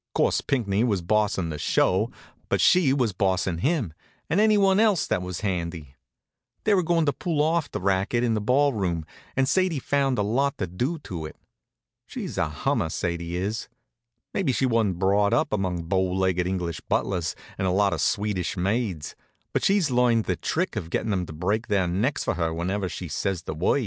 'Course Pinckney was bossin' the show, but she was bossin' him, and anyone else that was handy. They were goin' to pull off the racket in the ball room, and Sadie found a lot to do to it. She's a hummer, Sadie is. Maybe she wa'n't brought up among bow legged English butlers and a lot of Swedish maids, but she's learned the trick of gettin' 'em to break their necks for her whenever she says the word.